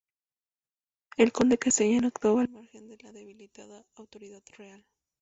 El conde castellano actuaba al margen de la debilitada autoridad real.